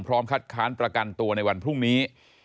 คัดค้านประกันตัวในวันพรุ่งนี้